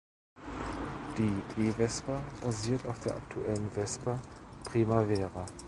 Die E-Vespa basiert auf der aktuellen Vespa Primavera.